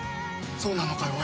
そうなのかよ？